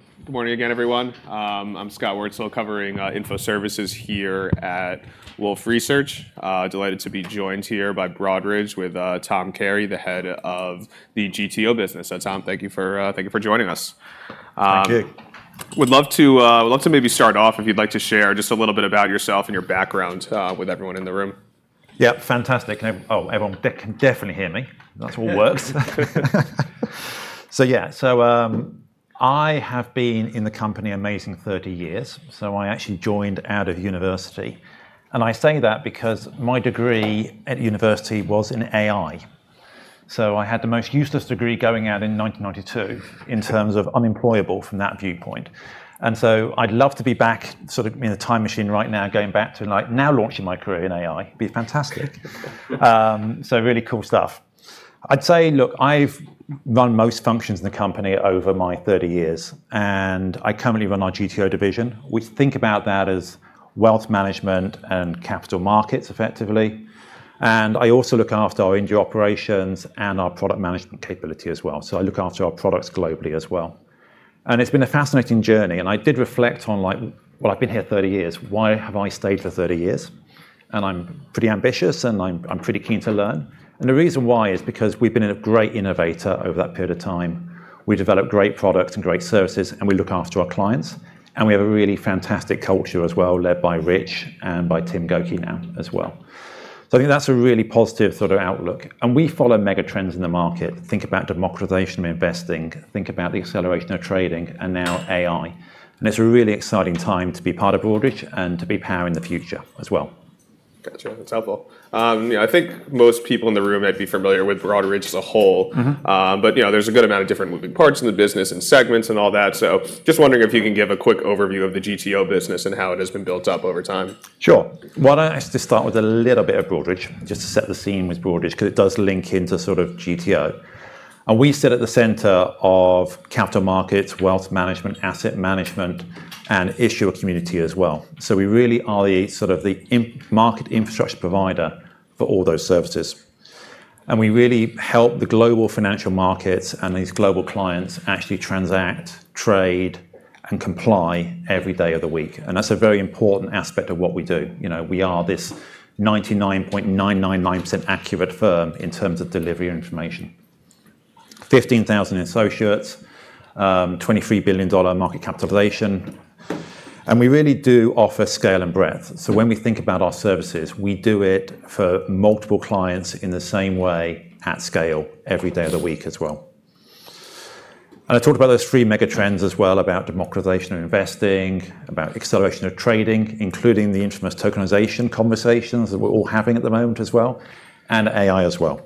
All right. Good morning again, everyone. I'm Scott Wurtzel, covering info services here at Wolfe Research. Delighted to be joined here by Broadridge with Tom Carey, the head of the GTO business. Tom, thank you for joining us. Thank you. Would love to maybe start off, if you'd like to share just a little bit about yourself and your background, with everyone in the room. Yep, fantastic. Oh, everyone can definitely hear me. That all works. Yeah. I have been in the company amazing 30 years, so I actually joined out of university. I say that because my degree at university was in AI, so I had the most useless degree going out in 1992 in terms of unemployable from that viewpoint. I'd love to be back, sort of be in a time machine right now, going back to like now launching my career in AI. It'd be fantastic. Really cool stuff. I'd say, look, I've run most functions in the company over my 30 years, and I currently run our GTO division. We think about that as wealth management and capital markets effectively. I also look after our India operations and our product management capability as well. I look after our products globally as well. It's been a fascinating journey, and I did reflect on like, "Well, I've been here 30 years. Why have I stayed for 30 years?" I'm pretty ambitious, and I'm pretty keen to learn. The reason why is because we've been a great innovator over that period of time. We develop great products and great services, and we look after our clients, and we have a really fantastic culture as well, led by Rich and by Tim Gokey now as well. I think that's a really positive sort of outlook. We follow mega trends in the market. Think about democratization of investing, think about the acceleration of trading and now AI. It's a really exciting time to be part of Broadridge and to be powering the future as well. Gotcha. That's helpful. Yeah, I think most people in the room might be familiar with Broadridge as a whole. Mm-hmm. you know, there's a good amount of different moving parts in the business and segments and all that. Just wondering if you can give a quick overview of the GTO business and how it has been built up over time. Sure. Why don't I just start with a little bit of Broadridge, just to set the scene with Broadridge, 'cause it does link into sort of GTO. We sit at the center of capital markets, wealth management, asset management, and issuer community as well. We really are the in-market infrastructure provider for all those services. We really help the global financial markets and these global clients actually transact, trade, and comply every day of the week. That's a very important aspect of what we do. You know, we are this 99.999% accurate firm in terms of delivery and information. 15,000 associates, $23 billion market capitalization, and we really do offer scale and breadth. When we think about our services, we do it for multiple clients in the same way at scale every day of the week as well. I talked about those three mega trends as well, about democratization of investing, about acceleration of trading, including the infamous tokenization conversations that we're all having at the moment as well, and AI as well.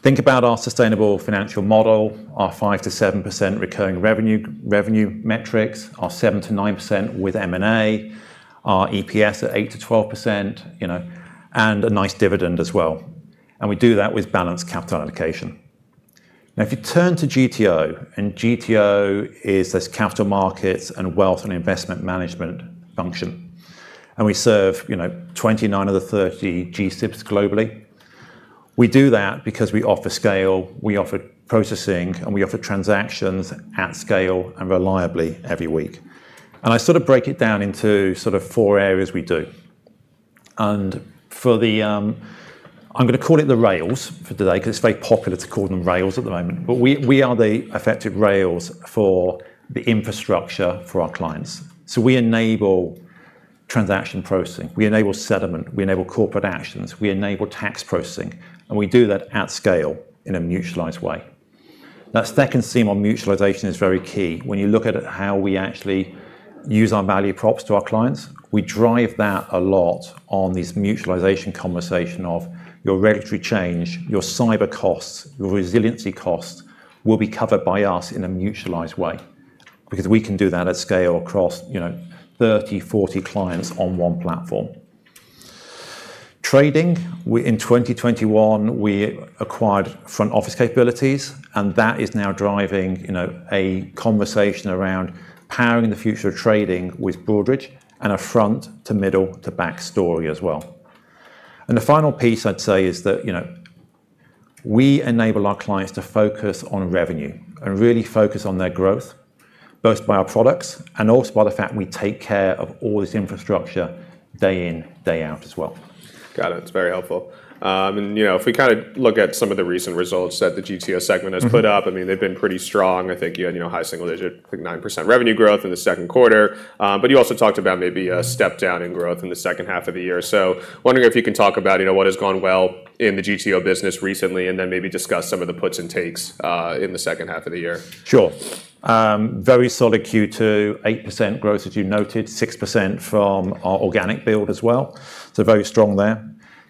Think about our sustainable financial model, our 5%-7% recurring revenue metrics, our 7%-9% with M&A, our EPS at 8%-12%, and a nice dividend as well. We do that with balanced capital allocation. Now, if you turn to GTO, and GTO is this capital markets and wealth and investment management function, and we serve 29 of the 30 G-SIBs globally. We do that because we offer scale, we offer processing, and we offer transactions at scale and reliably every week. I sort of break it down into sort of four areas we do. I'm gonna call it the rails for today, 'cause it's very popular to call them rails at the moment. We are the effective rails for the infrastructure for our clients. We enable transaction processing, we enable settlement, we enable corporate actions, we enable tax processing, and we do that at scale in a mutualized way. That second theme on mutualization is very key. When you look at how we actually use our value props to our clients, we drive that a lot on this mutualization conversation of your regulatory change, your cyber costs, your resiliency costs will be covered by us in a mutualized way, because we can do that at scale across, you know, 30, 40 clients on one platform. Trading, in 2021, we acquired front office capabilities, and that is now driving, you know, a conversation around powering the future of trading with Broadridge and a front to middle to back story as well. The final piece I'd say is that, you know, we enable our clients to focus on revenue and really focus on their growth, both by our products and also by the fact we take care of all this infrastructure day in, day out as well. Got it. It's very helpful. You know, if we kind of look at some of the recent results that the GTO segment- Mm-hmm Has put up, I mean, they've been pretty strong. I think you had, you know, high single digit, I think 9% revenue growth in the second quarter. But you also talked about maybe a step down in growth in the second half of the year. Wondering if you can talk about, you know, what has gone well in the GTO business recently, and then maybe discuss some of the puts and takes in the second half of the year. Sure. Very solid Q2, 8% growth as you noted, 6% from our organic build as well, so very strong there.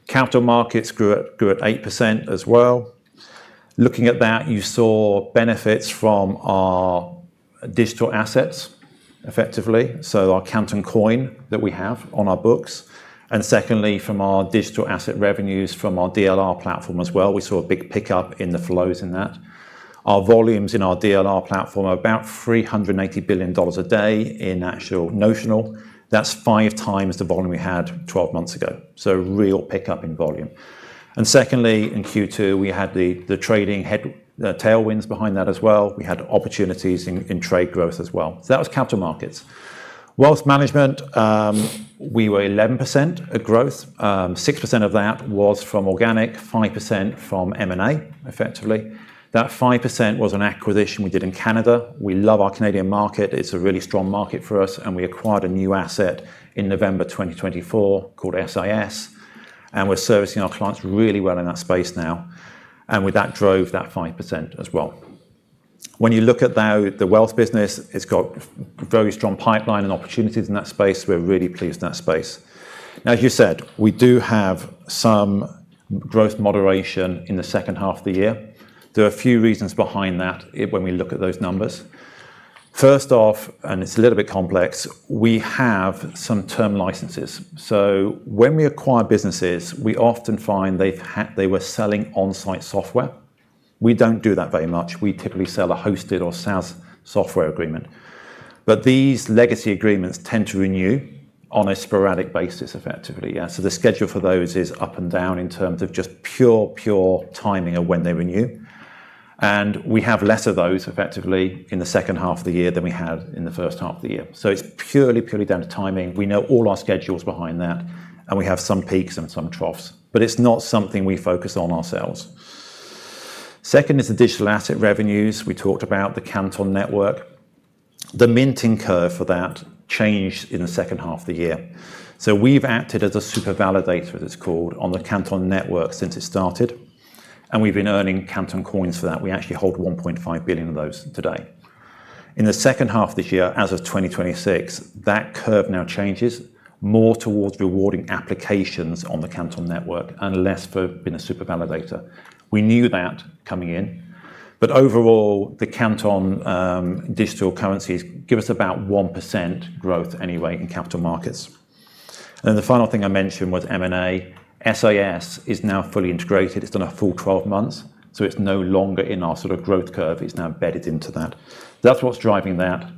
Capital markets grew at 8% as well. Looking at that, you saw benefits from our digital assets, effectively, so our Canton Coin that we have on our books. Secondly, from our digital asset revenues from our DLR platform as well. We saw a big pickup in the flows in that. Our volumes in our DLR platform are about $380 billion a day in actual notional. That's 5x the volume we had 12 months ago, so real pickup in volume. Secondly, in Q2, we had the trading tailwinds behind that as well. We had opportunities in trade growth as well. That was capital markets. Wealth management, we were 11% growth, 6% of that was from organic, 5% from M&A, effectively. That 5% was an acquisition we did in Canada. We love our Canadian market. It's a really strong market for us, and we acquired a new asset in November 2024 called SIS, and we're servicing our clients really well in that space now, and with that drove that 5% as well. When you look at the wealth business, though, it's got very strong pipeline and opportunities in that space. We're really pleased in that space. Now, as you said, we do have some growth moderation in the second half of the year. There are a few reasons behind that when we look at those numbers. First off, it's a little bit complex, we have some term licenses. When we acquire businesses, we often find they were selling on-site software. We don't do that very much. We typically sell a hosted or SaaS software agreement. These legacy agreements tend to renew on a sporadic basis, effectively, yeah. The schedule for those is up and down in terms of just pure timing of when they renew. We have less of those effectively in the second half of the year than we have in the first half of the year. It's purely down to timing. We know all our schedules behind that, and we have some peaks and some troughs, but it's not something we focus on ourselves. Second is the digital asset revenues. We talked about the Canton Network. The minting curve for that changed in the second half of the year. We've acted as a Super Validator, it's called, on the Canton Network since it started, and we've been earning Canton Coins for that. We actually hold 1.5 billion of those today. In the second half of the year, as of 2026, that curve now changes more towards rewarding applications on the Canton Network and less for being a Super Validator. We knew that coming in, but overall, the Canton digital currencies give us about 1% growth anyway in capital markets. The final thing I mentioned was M&A. SIS is now fully integrated. It's done a full 12 months, so it's no longer in our sort of growth curve. It's now embedded into that. That's what's driving that.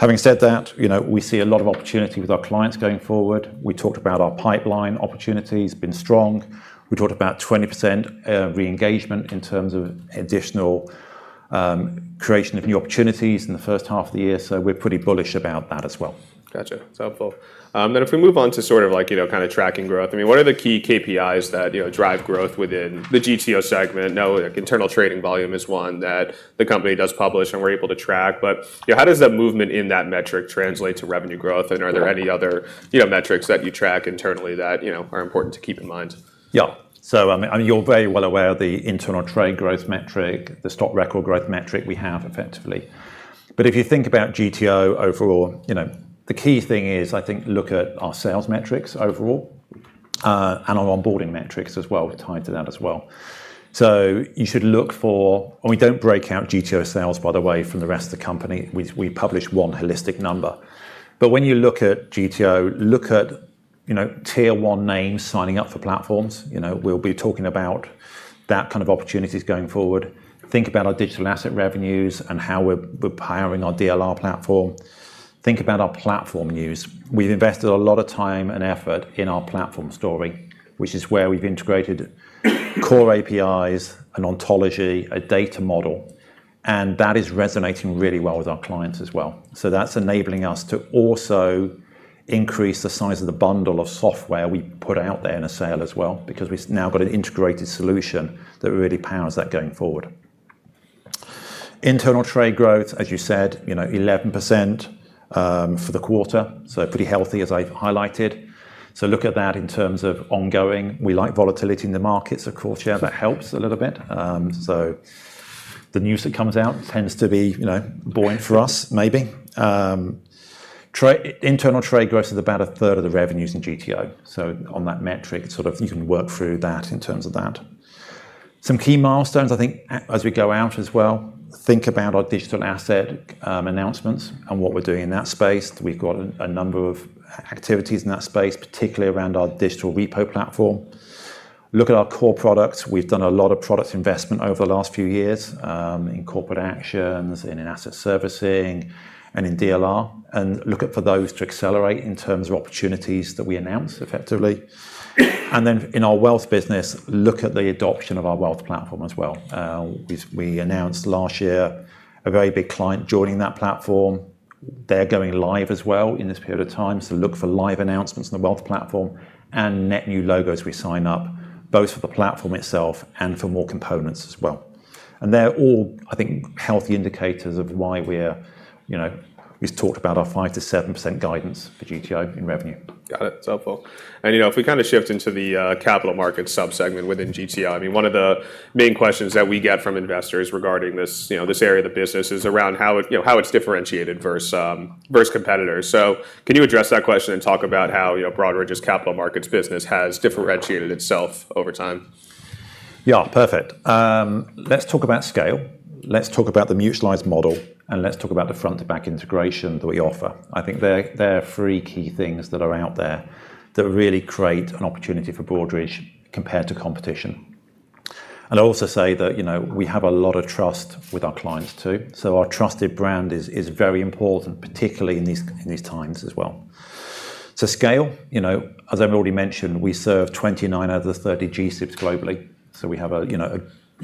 Having said that we see a lot of opportunity with our clients going forward. We talked about our pipeline opportunities, been strong. We talked about 20% re-engagement in terms of additional creation of new opportunities in the first half of the year, so we're pretty bullish about that as well. Gotcha. That's helpful. If we move on to sort of like kind of tracking growth, I mean, what are the key KPIs that, you know, drive growth within the GTO segment? I know, like, internal trading volume is one that the company does publish and we're able to track. You know, how does the movement in that metric translate to revenue growth? Are there any other, metrics that you track internally that are important to keep in mind? Yeah. I mean, you're very well aware of the internal trade growth metric, the stock record growth metric we have effectively. If you think about GTO overall, you know, the key thing is, I think, look at our sales metrics overall, and our onboarding metrics as well are tied to that as well. We don't break out GTO sales, by the way, from the rest of the company. We publish one holistic number. When you look at GTO, look at, you know, tier one names signing up for platforms. You know, we'll be talking about that kind of opportunities going forward. Think about our digital asset revenues and how we're powering our DLR platform. Think about our platform use. We've invested a lot of time and effort in our platform story, which is where we've integrated core APIs and ontology, a data model, and that is resonating really well with our clients as well. That's enabling us to also increase the size of the bundle of software we put out there in a sale as well because we've now got an integrated solution that really powers that going forward. Internal trade growth, as you said, you know, 11% for the quarter, so pretty healthy as I've highlighted. Look at that in terms of ongoing. We like volatility in the markets. Of course, yeah, that helps a little bit. The news that comes out tends to be, you know, boring for us maybe. Internal trade growth is about 1/3 of the revenues in GTO. On that metric, sort of you can work through that in terms of that. Some key milestones, I think as we go out as well, think about our digital asset announcements and what we're doing in that space. We've got a number of activities in that space, particularly around our digital repo platform. Look at our core products. We've done a lot of product investment over the last few years in corporate actions, in asset servicing, and in DLR, and look for those to accelerate in terms of opportunities that we announce effectively. In our wealth business, look at the adoption of our wealth platform as well. We announced last year a very big client joining that platform. They're going live as well in this period of time, so look for live announcements on the wealth platform and net new logos we sign up, both for the platform itself and for more components as well. They're all, I think, healthy indicators of why we're, you know, we've talked about our 5%-7% guidance for GTO in revenue. Got it. That's helpful. You know, if we kind of shift into the capital markets sub-segment within GTO, I mean, one of the main questions that we get from investors regarding this, you know, this area of the business is around how it, you know, how it's differentiated versus competitors. Can you address that question and talk about how, you know, Broadridge's capital markets business has differentiated itself over time? Yeah. Perfect. Let's talk about scale, let's talk about the mutualized model, and let's talk about the front to back integration that we offer. I think they're three key things that are out there that really create an opportunity for Broadridge compared to competition. I'll also say that, you know, we have a lot of trust with our clients too. Our trusted brand is very important, particularly in these times as well. Scale, you know, as I've already mentioned, we serve 29 out of the 30 G-SIBs globally, so we have a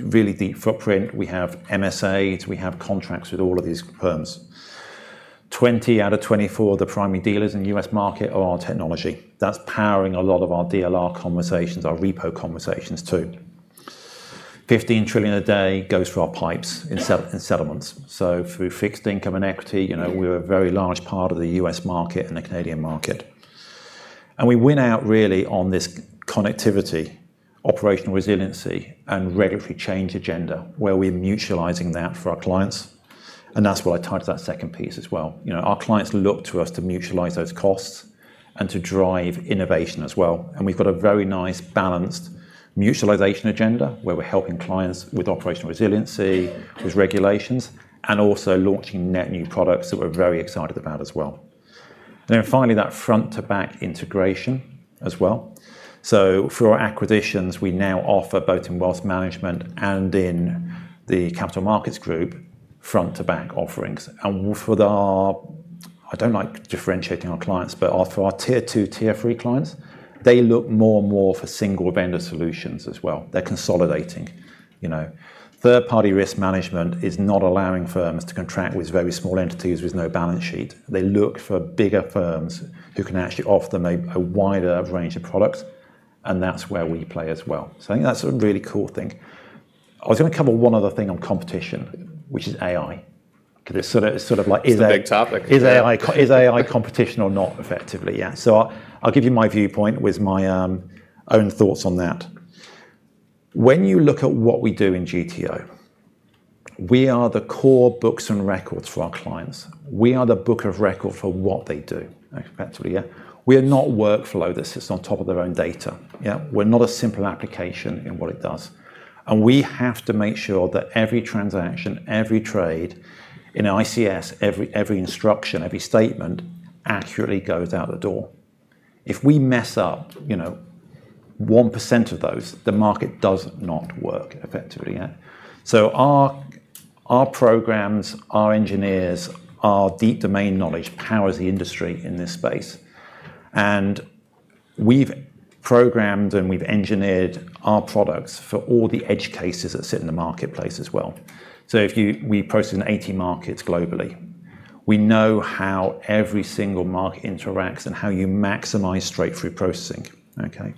really deep footprint. We have MSAs, we have contracts with all of these firms. 20 out of 24 of the primary dealers in the U.S. market are on technology. That's powering a lot of our DLR conversations, our repo conversations too. $15 trillion a day goes through our pipes in settlements. Through fixed income and equity, you know, we're a very large part of the US market and the Canadian market. We win out really on this connectivity, operational resiliency, and regulatory change agenda, where we're mutualizing that for our clients, and that's what I tied to that second piece as well. You know, our clients look to us to mutualize those costs and to drive innovation as well. We've got a very nice balanced mutualization agenda, where we're helping clients with operational resiliency, with regulations, and also launching net new products that we're very excited about as well. Finally, that front-to-back integration as well. For our acquisitions, we now offer both in wealth management and in the capital markets group, front-to-back offerings. I don't like differentiating our clients, but for our tier two, tier three clients, they look more and more for single vendor solutions as well. They're consolidating, you know. Third-party risk management is not allowing firms to contract with very small entities with no balance sheet. They look for bigger firms who can actually offer them a wider range of products, and that's where we play as well. I think that's a really cool thing. I was going to cover one other thing on competition, which is AI, okay. That it's sort of like is AI. It's a big topic. Is AI competition or not, effectively? Yeah. I'll give you my viewpoint with my own thoughts on that. When you look at what we do in GTO, we are the core books and records for our clients. We are the book of record for what they do effectively, yeah. We are not workflow that sits on top of their own data, yeah. We're not a simple application in what it does. We have to make sure that every transaction, every trade in our ICS, every instruction, every statement accurately goes out the door. If we mess up, you know, 1% of those, the market does not work effectively, yeah. Our programs, our engineers, our deep domain knowledge powers the industry in this space. We've programmed and we've engineered our products for all the edge cases that sit in the marketplace as well. We process in 80 markets globally. We know how every single market interacts and how you maximize straight-through processing, okay?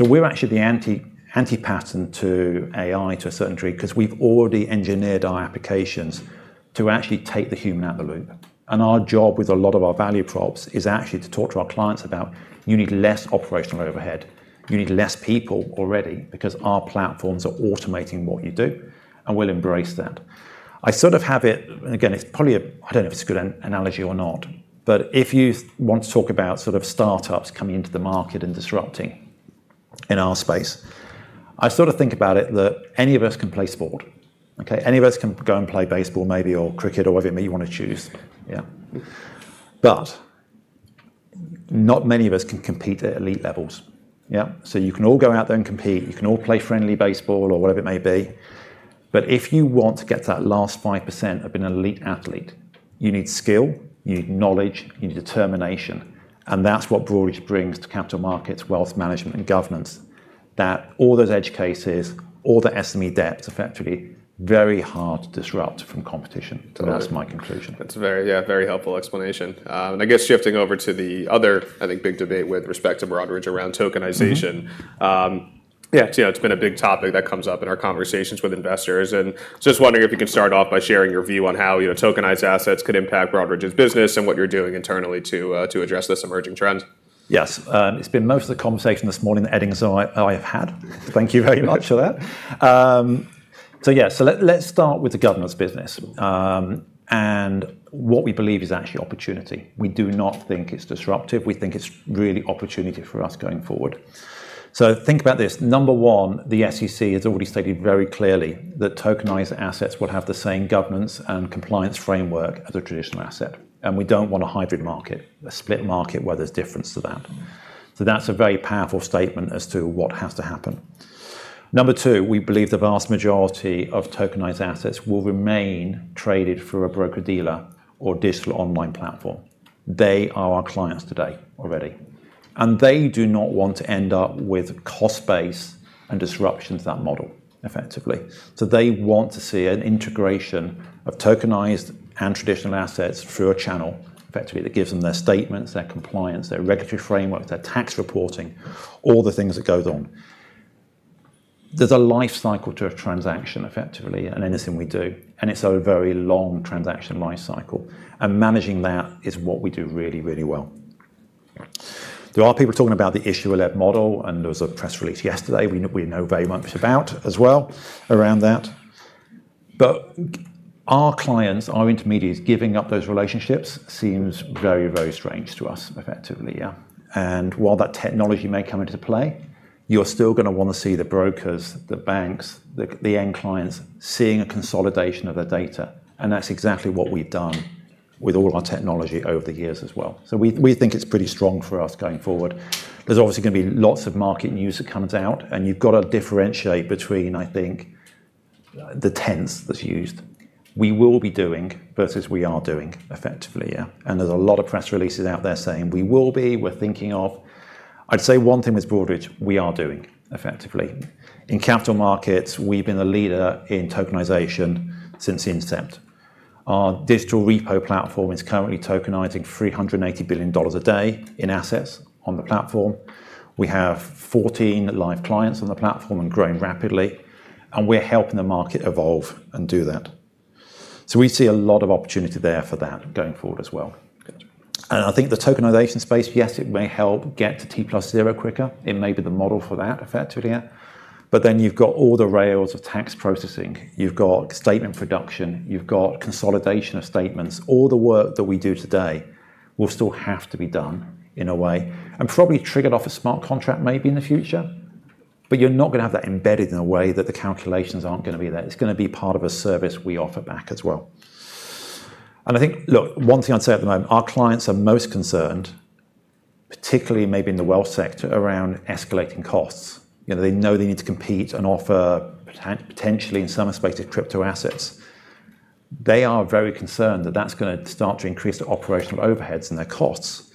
We're actually the anti-anti-pattern to AI to a certain degree because we've already engineered our applications to actually take the human out of the loop. Our job with a lot of our value props is actually to talk to our clients about you need less operational overhead. You need less people already because our platforms are automating what you do, and we'll embrace that. I sort of have it, and again, it's probably a. I don't know if it's a good analogy or not, but if you want to talk about sort of startups coming into the market and disrupting in our space, I sort of think about it that any of us can play sport, okay? Any of us can go and play baseball maybe or cricket or whatever you wanna choose. Yeah. Not many of us can compete at elite levels, yeah. You can all go out there and compete. You can all play friendly baseball or whatever it may be. If you want to get to that last 5% of being an elite athlete, you need skill, you need knowledge, you need determination, and that's what Broadridge brings to capital markets, wealth management, and governance, that all those edge cases, all the SME depth effectively very hard to disrupt from competition. Got it. That's my conclusion. That's a very, yeah, very helpful explanation. I guess shifting over to the other, I think, big debate with respect to Broadridge around tokenization. Mm-hmm. Yeah, you know, it's been a big topic that comes up in our conversations with investors, and so just wondering if you can start off by sharing your view on how, you know, tokenized assets could impact Broadridge's business and what you're doing internally to address this emerging trend. Yes. It's been most of the conversation this morning with Eddings that I have had. Thank you very much for that. Yeah. Let's start with the governance business, and what we believe is actually opportunity. We do not think it's disruptive. We think it's really opportunity for us going forward. Think about this. Number one, the SEC has already stated very clearly that tokenized assets would have the same governance and compliance framework as a traditional asset, and we don't want a hybrid market, a split market where there's difference to that. That's a very powerful statement as to what has to happen. Number two, we believe the vast majority of tokenized assets will remain traded through a broker-dealer or digital online platform. They are our clients today already, and they do not want to end up with cost base and disruption to that model effectively. They want to see an integration of tokenized and traditional assets through a channel effectively that gives them their statements, their compliance, their regulatory framework, their tax reporting, all the things that goes on. There's a life cycle to a transaction effectively in anything we do, and it's a very long transaction life cycle, and managing that is what we do really, really well. There are people talking about the issuer-led model, and there was a press release yesterday we know very much about as well around that. Our clients, our intermediaries giving up those relationships seems very, very strange to us effectively, yeah. While that technology may come into play, you're still gonna wanna see the brokers, the banks, the end clients seeing a consolidation of their data, and that's exactly what we've done with all our technology over the years as well. We think it's pretty strong for us going forward. There's obviously gonna be lots of market news that comes out, and you've got to differentiate between, I think, the tense that's used. We will be doing versus we are doing effectively, yeah. There's a lot of press releases out there saying, "We will be. We're thinking of." I'd say one thing with Broadridge, we are doing effectively. In capital markets, we've been a leader in tokenization since inception. Our digital repo platform is currently tokenizing $380 billion a day in assets on the platform. We have 14 live clients on the platform and growing rapidly, and we're helping the market evolve and do that. We see a lot of opportunity there for that going forward as well. Good. I think the tokenization space, yes, it may help get to T+0 quicker. It may be the model for that effectively, yeah. You've got all the rails of tax processing. You've got statement production. You've got consolidation of statements. All the work that we do today will still have to be done in a way, and probably triggered off a smart contract maybe in the future. You're not gonna have that embedded in a way that the calculations aren't gonna be there. It's gonna be part of a service we offer back as well. I think. Look, one thing I'd say at the moment, our clients are most concerned, particularly maybe in the wealth sector, around escalating costs. You know, they know they need to compete and offer potentially, in some respects, crypto assets. They are very concerned that that's gonna start to increase their operational overheads and their costs,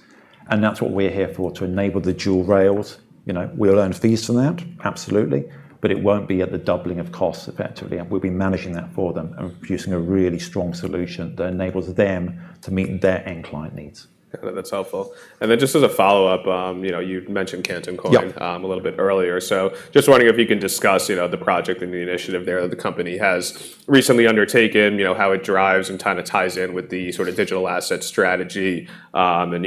and that's what we're here for, to enable the dual rails. You know, we'll earn fees from that, absolutely, but it won't be at the doubling of costs effectively, and we'll be managing that for them and producing a really strong solution that enables them to meet their end client needs. Yeah, that's helpful. Just as a follow-up, you know, you mentioned Canton Coin- Yeah A little bit earlier. Just wondering if you can discuss, you know, the project and the initiative there that the company has recently undertaken, you know, how it drives and kinda ties in with the sort of digital asset strategy. You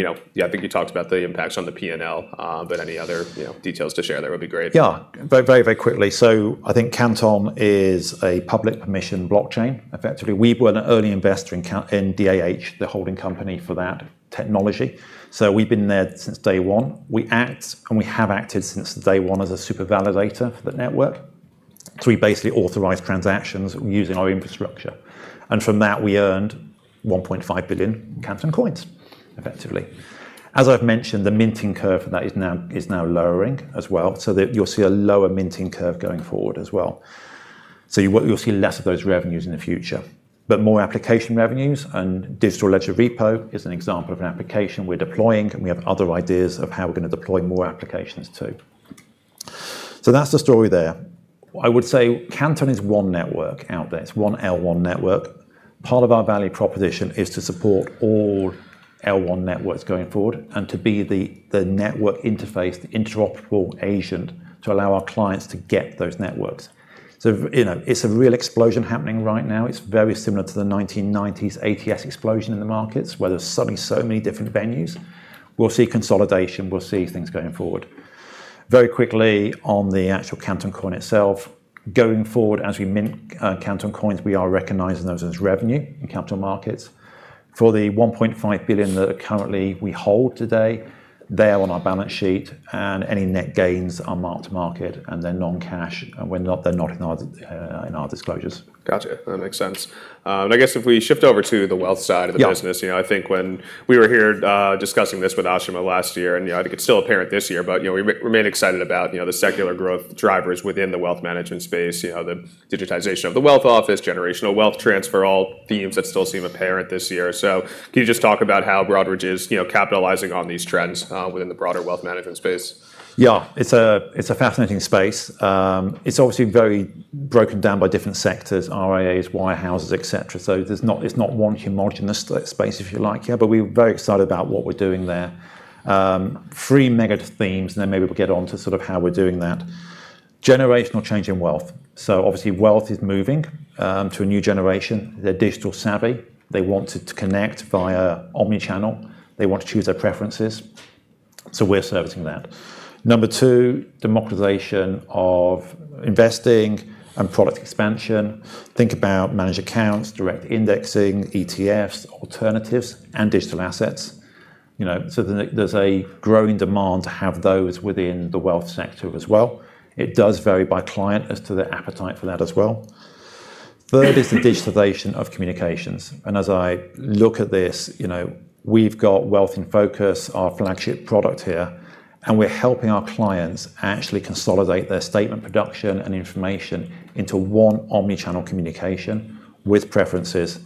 know, yeah, I think you talked about the impacts on the P&L, but any other, you know, details to share there would be great. Yeah. Very quickly. I think Canton is a permissionless blockchain effectively. We were an early investor in DAH, the holding company for that technology. We've been there since day one. We act, and we have acted since day one as a Super Validator for that network. We basically authorize transactions using our infrastructure, and from that, we earned 1.5 billion Canton Coins effectively. As I've mentioned, the minting curve for that is now lowering as well, so that you'll see a lower minting curve going forward as well. You'll see less of those revenues in the future, but more application revenues, and Distributed Ledger Repo is an example of an application we're deploying, and we have other ideas of how we're gonna deploy more applications too. That's the story there. I would say Canton is one network out there. It's one L1 network. Part of our value proposition is to support all L1 networks going forward and to be the network interface, the interoperable agent to allow our clients to get those networks. You know, it's a real explosion happening right now. It's very similar to the 1990s ATS explosion in the markets, where there's suddenly so many different venues. We'll see consolidation. We'll see things going forward. Very quickly on the actual Canton Coin itself. Going forward, as we mint Canton Coins, we are recognizing those as revenue in capital markets. For the $1.5 billion that currently we hold today, they are on our balance sheet, and any net gains are marked to market, and they're non-cash. They're not in our disclosures. Gotcha. That makes sense. I guess if we shift over to the wealth side of the business. Yeah You know, I think when we were here discussing this with Ashima last year, and you know, I think it's still apparent this year, but you know, we remain excited about you know, the secular growth drivers within the wealth management space. You know, the digitization of the wealth office, generational wealth transfer, all themes that still seem apparent this year. Can you just talk about how Broadridge is you know, capitalizing on these trends within the broader wealth management space? It's a fascinating space. It's obviously very broken down by different sectors, RIAs, wirehouses, et cetera. There's not one homogeneous space, if you like. Yeah. We're very excited about what we're doing there. Three mega themes, and then maybe we'll get on to sort of how we're doing that. Generational change in wealth. Wealth is moving to a new generation. They're digitally savvy. They want to connect via omni-channel. They want to choose their preferences. We're servicing that. Number two, democratization of investing and product expansion. Think about managed accounts, direct indexing, ETFs, alternatives, and digital assets. There's a growing demand to have those within the wealth sector as well. It does vary by client as to their appetite for that as well. Third is the digitization of communications. As I look at this, you know, we've got Wealth InFocus, our flagship product here, and we're helping our clients actually consolidate their statement production and information into one omni-channel communication with preferences.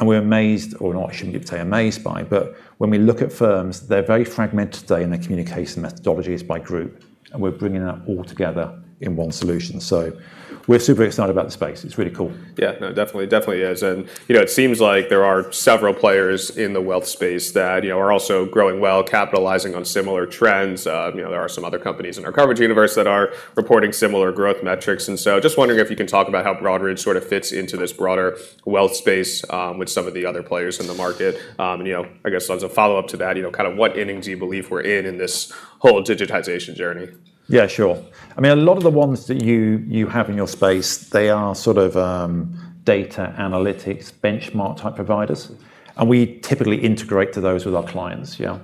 We're amazed, or not, I shouldn't even say amazed by, but when we look at firms, they're very fragmented today in their communication methodologies by group, and we're bringing that all together in one solution. We're super excited about the space. It's really cool. Yeah. No, definitely it is. You know, it seems like there are several players in the wealth space that, you know, are also growing well, capitalizing on similar trends. You know, there are some other companies in our coverage universe that are reporting similar growth metrics. Just wondering if you can talk about how Broadridge sort of fits into this broader wealth space with some of the other players in the market. You know, I guess as a follow-up to that, you know, kind of what inning do you believe we're in this whole digitization journey? Yeah, sure. I mean, a lot of the ones that you have in your space, they are sort of data analytics benchmark type providers, and we typically integrate to those with our clients. Yeah.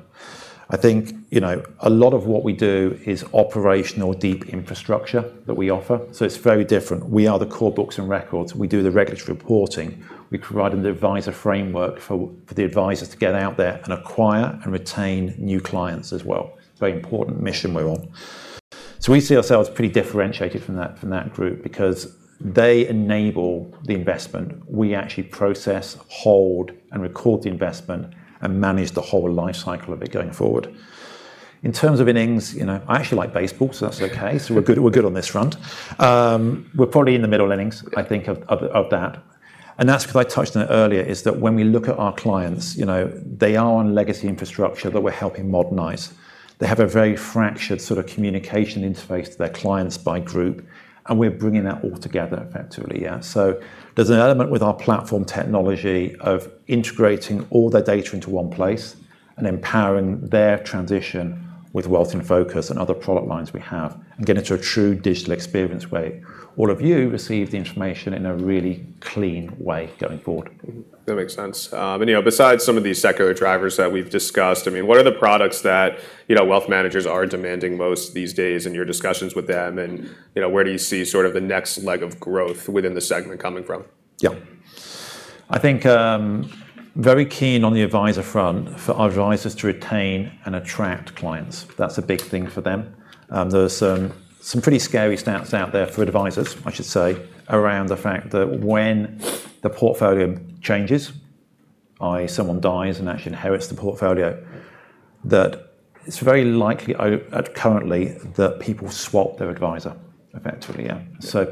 I think, you know, a lot of what we do is operational deep infrastructure that we offer, so it's very different. We are the core books and records. We do the regulatory reporting. We provide an advisor framework for the advisors to get out there and acquire and retain new clients as well. Very important mission we're on. We see ourselves pretty differentiated from that group because they enable the investment. We actually process, hold, and record the investment and manage the whole life cycle of it going forward. In terms of innings, you know, I actually like baseball, so that's okay. We're good, we're good on this front. We're probably in the middle innings, I think, of that. That's 'cause I touched on it earlier, is that when we look at our clients, you know, they are on legacy infrastructure that we're helping modernize. They have a very fractured sort of communication interface to their clients by group, and we're bringing that all together effectively, yeah. There's an element with our platform technology of integrating all their data into one place and empowering their transition with Wealth InFocus and other product lines we have, and getting to a true digital experience where all of you receive the information in a really clean way going forward. That makes sense. You know, besides some of these secular drivers that we've discussed, I mean, what are the products that, you know, wealth managers are demanding most these days in your discussions with them and, you know, where do you see sort of the next leg of growth within the segment coming from? Yeah. I think, very keen on the advisor front for our advisors to retain and attract clients. That's a big thing for them. There's some pretty scary stats out there for advisors, I should say, around the fact that when the portfolio changes, i.e., someone dies and actually inherits the portfolio, that it's very likely currently that people swap their advisor effectively, yeah.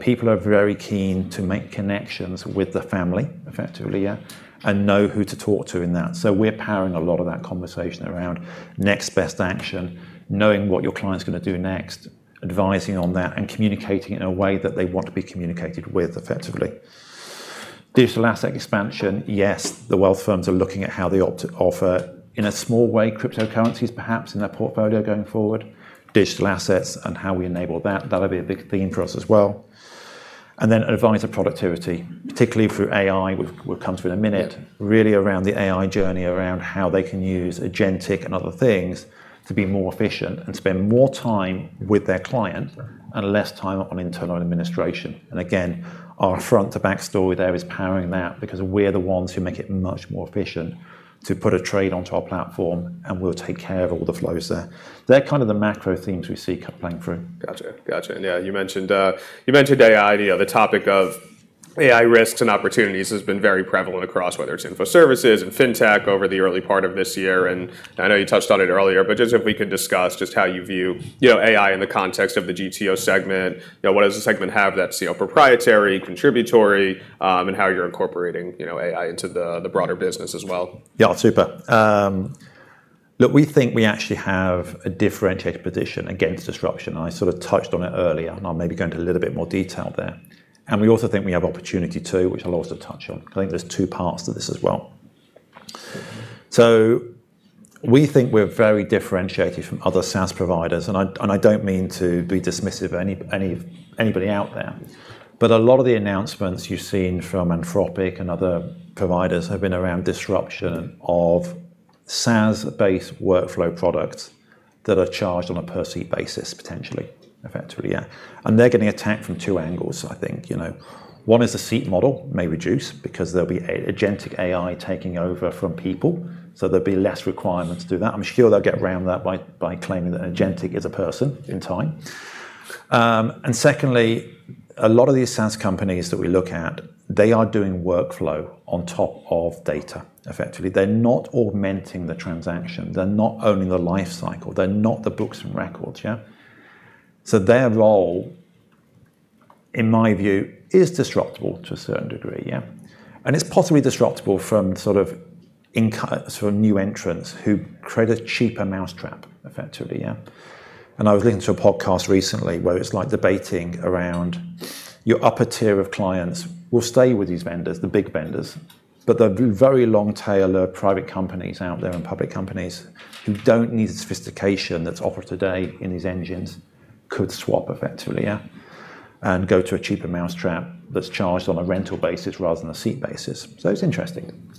People are very keen to make connections with the family effectively, yeah, and know who to talk to in that. We're powering a lot of that conversation around next best action, knowing what your client's gonna do next, advising on that, and communicating in a way that they want to be communicated with effectively. Digital asset expansion, yes. The wealth firms are looking at how they opt to offer, in a small way, cryptocurrencies perhaps in their portfolio going forward, digital assets and how we enable that. That'll be a big theme for us as well. Advisor productivity, particularly through AI, we'll come to in a minute. Yeah really around the AI journey, around how they can use agentic and other things to be more efficient and spend more time with their client and less time on internal administration. Again, our front to back story there is powering that because we're the ones who make it much more efficient to put a trade onto our platform, and we'll take care of all the flows there. They're kind of the macro themes we see cutting through. Gotcha. Yeah, you mentioned AI. You know, the topic of AI risks and opportunities has been very prevalent across whether it's Information Services and fintech over the early part of this year. I know you touched on it earlier, but just if we could discuss just how you view, you know, AI in the context of the GTO segment. You know, what does the segment have that's, you know, proprietary, contributory, and how you're incorporating, you know, AI into the broader business as well? Yeah. Super. Look, we think we actually have a differentiated position against disruption, and I sort of touched on it earlier, and I'll maybe go into a little bit more detail there. We also think we have opportunity too, which I'll also touch on. I think there's two parts to this as well. We think we're very differentiated from other SaaS providers, and I don't mean to be dismissive of anybody out there. A lot of the announcements you've seen from Anthropic and other providers have been around disruption of SaaS-based workflow products that are charged on a per seat basis, potentially. Effectively, yeah. They're getting attacked from two angles, I think. You know, one is the seat model may reduce because there'll be agentic AI taking over from people, so there'll be less requirement to do that. I'm sure they'll get around that by claiming that agentic is a person in time. Secondly, a lot of these SaaS companies that we look at, they are doing workflow on top of data effectively. They're not augmenting the transaction. They're not owning the life cycle. They're not the books and records, yeah? Their role, in my view, is disruptable to a certain degree, yeah? It's possibly disruptable from sort of new entrants who create a cheaper mousetrap, effectively, yeah. I was listening to a podcast recently where it's like debating around your upper tier of clients will stay with these vendors, the big vendors, but the very long tail of private companies out there and public companies who don't need the sophistication that's offered today in these engines could swap effectively, yeah, and go to a cheaper mousetrap that's charged on a rental basis rather than a seat basis. It's interesting.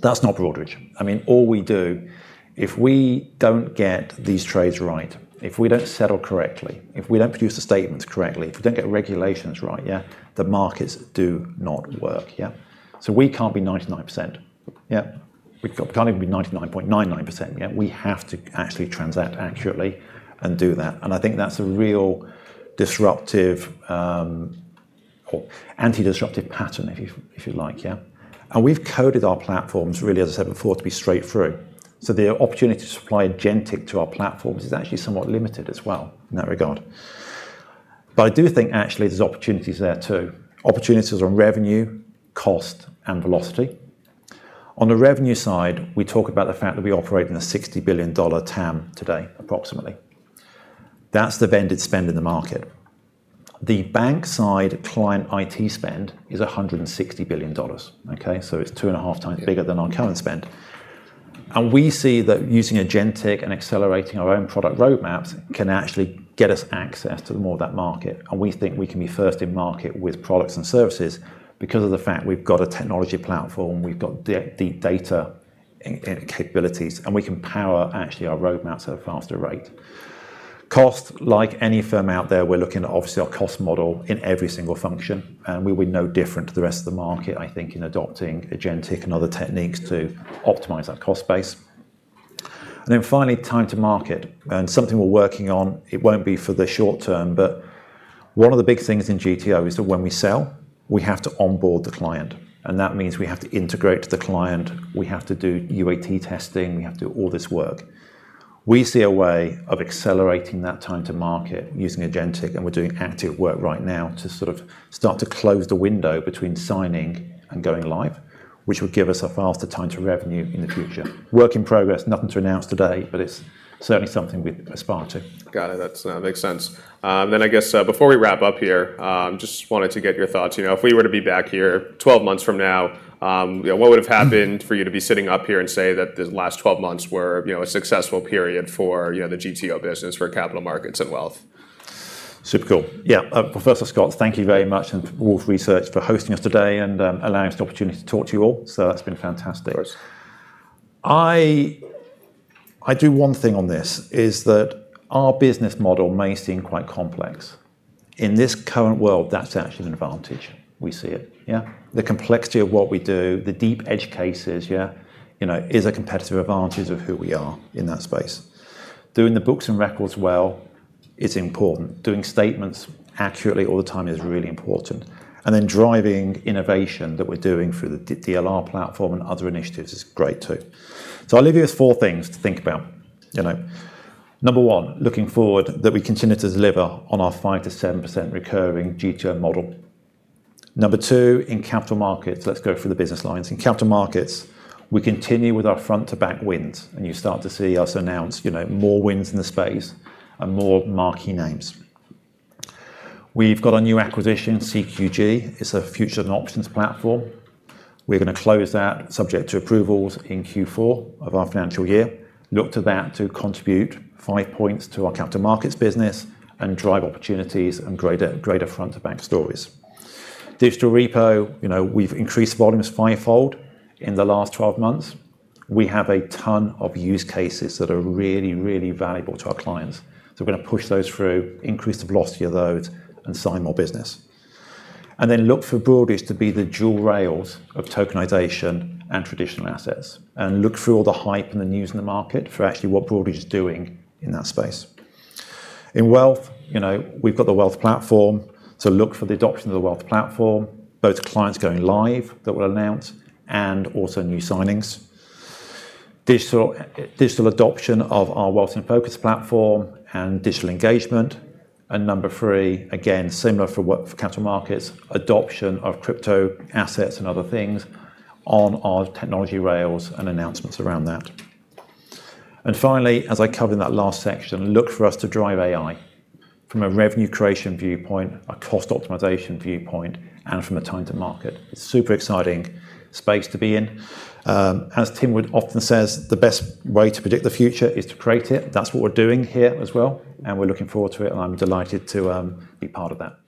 That's not Broadridge. I mean, all we do, if we don't get these trades right, if we don't settle correctly, if we don't produce the statements correctly, if we don't get regulations right, yeah, the markets do not work, yeah. We can't be 99%. Yeah. We can't even be 99.99%, yeah. We have to actually transact accurately and do that, and I think that's a real disruptive, or anti-disruptive pattern if you, if you like, yeah. We've coded our platforms really, as I said before, to be straight through. The opportunity to supply agentic to our platforms is actually somewhat limited as well in that regard. I do think actually there's opportunities there too, opportunities on revenue, cost, and velocity. On the revenue side, we talk about the fact that we operate in a $60 billion TAM today, approximately. That's the vendor spend in the market. The bank side client IT spend is $160 billion, okay? It's two and a half times bigger than our current spend. We see that using agentic and accelerating our own product roadmaps can actually get us access to more of that market, and we think we can be first in market with products and services because of the fact we've got a technology platform, we've got deep data capabilities, and we can power actually our roadmaps at a faster rate. Cost, like any firm out there, we're looking at obviously our cost model in every single function, and we would be no different to the rest of the market, I think, in adopting agentic and other techniques to optimize that cost base. Finally, time to market and something we're working on, it won't be for the short term, but one of the big things in GTO is that when we sell, we have to onboard the client, and that means we have to integrate the client, we have to do UAT testing, we have to do all this work. We see a way of accelerating that time to market using agentic, and we're doing active work right now to sort of start to close the window between signing and going live, which would give us a faster time to revenue in the future. Work in progress, nothing to announce today, but it's certainly something we aspire to. Got it. That makes sense. I guess, before we wrap up here, just wanted to get your thoughts. You know, if we were to be back here 12 months from now, you know, what would have happened for you to be sitting up here and say that the last 12 months were, you know, a successful period for, you know, the GTO business for capital markets and wealth? Super cool. Yeah. Scott Wurtzel, thank you very much and to Wolfe Research for hosting us today and, allowing us the opportunity to talk to you all. That's been fantastic. Of course. I do one thing on this, is that our business model may seem quite complex. In this current world, that's actually an advantage. We see it. Yeah. The complexity of what we do, the deep edge cases, yeah, you know, is a competitive advantage of who we are in that space. Doing the books and records well is important. Doing statements accurately all the time is really important. Driving innovation that we're doing through the DLR platform and other initiatives is great too. I'll leave you with four things to think about. You know, number one, looking forward that we continue to deliver on our 5%-7% recurring GTO model. Number two, in capital markets, let's go through the business lines. In capital markets, we continue with our front-to-back wins, and you start to see us announce, you know, more wins in the space and more marquee names. We've got a new acquisition, CQG. It's a futures and options platform. We're gonna close that subject to approvals in Q4 of our financial year. Look to that to contribute five points to our capital markets business and drive opportunities and greater front-to-back stories. DLR, you know, we've increased volumes fivefold in the last 12 months. We have a ton of use cases that are really, really valuable to our clients. So we're gonna push those through, increase the velocity of those, and sign more business. Then look for Broadridge to be the dual rails of tokenization and traditional assets. Look through all the hype and the news in the market for actually what Broadridge is doing in that space. In wealth, you know, we've got the wealth platform. Look for the adoption of the wealth platform, both clients going live that we'll announce and also new signings. Digital adoption of our Wealth InFocus platform and digital engagement. Number three, again, similar for capital markets, adoption of crypto assets and other things on our technology rails and announcements around that. Finally, as I covered in that last section, look for us to drive AI from a revenue creation viewpoint, a cost optimization viewpoint, and from a time to market. It's super exciting space to be in. As Tim Gokey often says, "The best way to predict the future is to create it." That's what we're doing here as well, and we're looking forward to it, and I'm delighted to be part of that.